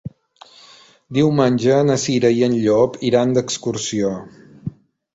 Diumenge na Cira i en Llop iran d'excursió.